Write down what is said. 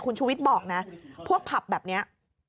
คุณชูวิทย์บอกนะพวกผับแบบนี้